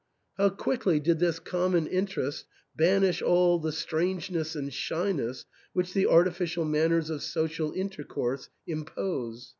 How quickly did this common interest banish all the strangeness and shyness which the artificial manners of social intercourse impose.